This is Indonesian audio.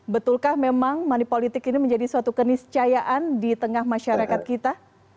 betulkah memang money politik ini menjadi suatu keniscayaan di tengah masyarakat kita